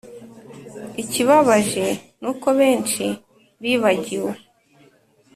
ikibabaje nuko benshi bibagiwe